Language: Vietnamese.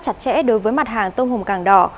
chặt chẽ đối với mặt hàng tôm hùm càng đỏ